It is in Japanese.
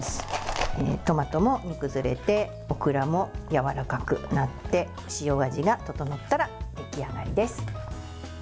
トマトも煮崩れてオクラもやわらかくなって塩味が調ったら出来上がりです。